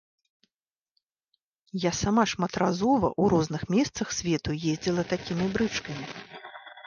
Я сама шматразова ў розных месцах свету ездзіла такімі брычкамі.